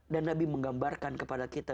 dan nabi menggambarkan kepada kita